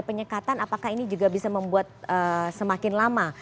mencari maka kita bisa mencari maka kita bisa mencari maka kita bisa membuat yang lebih